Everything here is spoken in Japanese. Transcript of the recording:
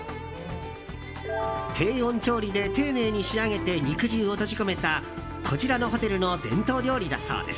低温調理で丁寧に仕上げて肉汁を閉じ込めたこちらのホテルの伝統料理だそうです。